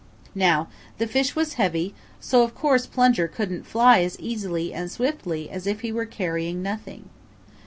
Now the fish was heavy, so of course Plunger couldn't fly as easily and swiftly as if he were carrying nothing.